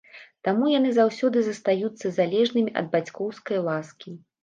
Таму яны заўсёды застаюцца залежнымі ад бацькоўскай ласкі.